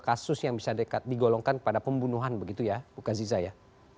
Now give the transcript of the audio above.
kasus yang bisa digolongkan pada pembunuhan begitu ya bu kaziza ya